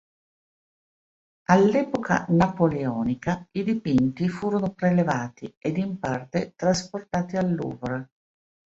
All'epoca napoleonica i dipinti furono prelevati ed in parte trasportati al Louvre.